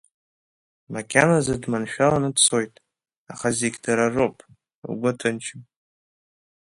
Макьаназы дманшәаланы дцоит, аха зегь дара роуп, лгәы ҭынчым.